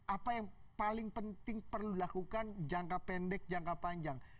apa yang paling penting perlu dilakukan jangka pendek jangka panjang